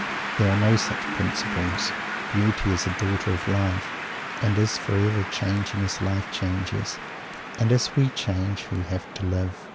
There are no such principles. Beauty is a Daughter of Life, and is forever changing as Life changes, and as we change who have to live.